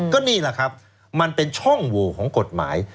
ก็นี่แหละครับมันเป็นช่องโหวของกฎหมาย